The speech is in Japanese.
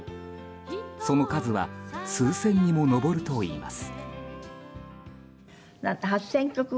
その数は数千にも上るといいます。